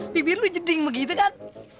bibir lu jeding begitu kan